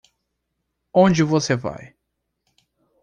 Onde você vai?